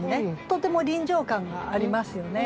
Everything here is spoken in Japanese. とても臨場感がありますよね。